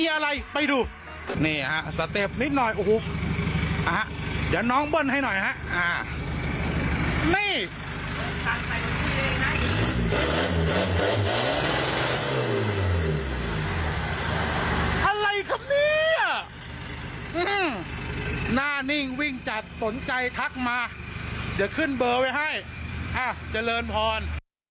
อะไรไปดูนี่ฮะเนี่ยหน้านิ่งวิ่งจัดสนใจทักมาเดี๋ยวขึ้นเบอร์ไว้ให้เจริญพร